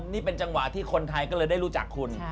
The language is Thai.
นี่เป็นจังหวะที่คนไทยก็เลยได้รู้จักคุณ